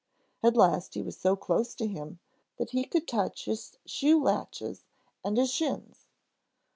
At last he was so close to him that he could touch his shoe latchets and his shins.